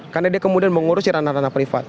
karena dia kemudian mengurusi ranah ranah privat